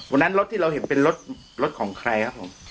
วันนั้นรถที่เราเห็นเป็นรถของใครครับ